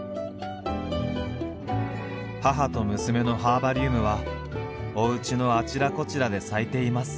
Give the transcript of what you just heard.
母と娘のハーバリウムはおうちのあちらこちらで咲いています。